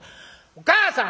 「お母さん！